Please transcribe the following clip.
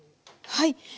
はい。